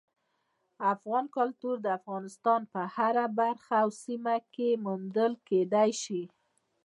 افغاني کلتور د افغانستان په هره برخه او سیمه کې موندل کېدی شي.